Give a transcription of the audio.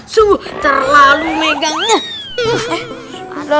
subuh terlalu megangnya